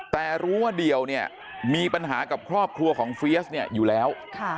แต่รู้ว่าเดี่ยวเนี่ยมีปัญหากับครอบครัวของเฟียสเนี่ยอยู่แล้ว